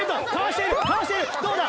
どうだ？